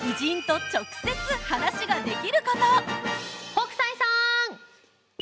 北斎さん！